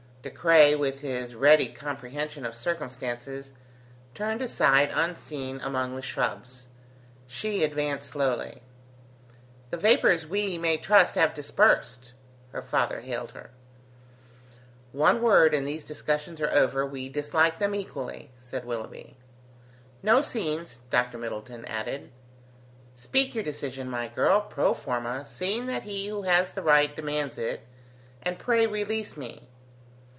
De Craye, with his ready comprehension of circumstances, turned aside unseen among the shrubs. She advanced slowly. "The vapours, we may trust, have dispersed?" her father hailed her. "One word, and these discussions are over, we dislike them equally," said Willoughby. "No scenes," Dr. Middleton added. "Speak your decision, my girl, pro forma, seeing that he who has the right demands it, and pray release me."